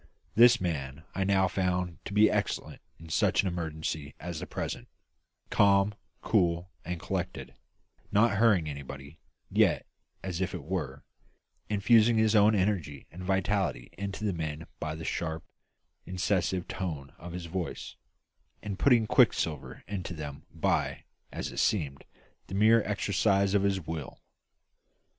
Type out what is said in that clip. This man I now found to be excellent in such an emergency as the present; calm, cool, and collected; not hurrying anybody, yet, as it were, infusing his own energy and vitality into the men by the sharp, incisive tones of his voice, and putting quicksilver into them by as it seemed the mere exercise of his will.